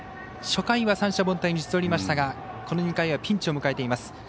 初回は三者凡退に打ち取りましたがこの２回はピンチを迎えています。